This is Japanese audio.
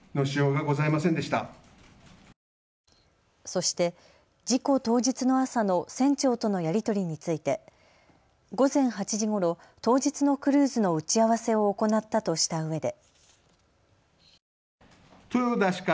そして、事故当日の朝の船長とのやり取りについて午前８時ごろ、当日のクルーズの打ち合わせを行ったとしたうえで。